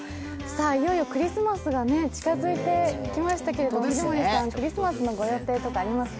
いよいよクリスマスが近づいてきましたけれど、藤森さん、クリスマスのご予定とかありますか？